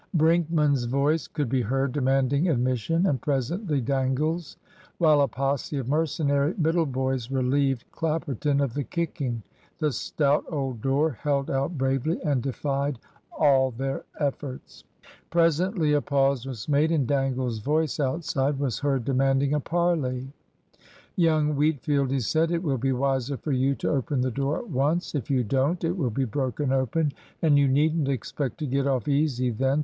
Brinkman's voice could be heard demanding admission, and presently Dangle's; while a posse of mercenary middle boys relieved Clapperton of the kicking. The stout old door held out bravely and defied all their efforts. Presently a pause was made, and Dangle's voice outside was heard demanding a parley. "Young Wheatfield," he said, "it will be wiser for you to open the door at once. If you don't it will be broken open, and you needn't expect to get off easy then.